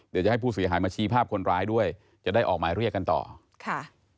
เดี๋ยวจะให้ผู้เสียหายมาชี้ภาพคนร้ายด้วยจะได้ออกหมายเรียกกันต่อค่ะ